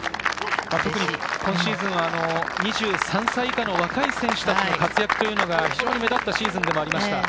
今シーズンは２３歳以下の若い選手たちの活躍が非常に目立ったシーズンでもありました。